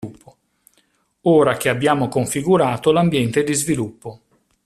Ora che abbiamo configurato l'ambiente di sviluppo.